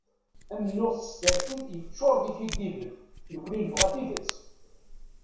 Amennuɣ s tsertit yeččur d ikeddiben, nekkni nebɣa tidet.